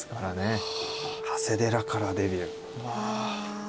長谷寺からデビュー。